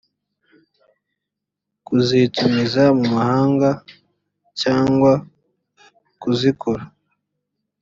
kuzitumiza mu mahanga cyangwa kuzikora